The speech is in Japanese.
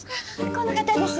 この方です。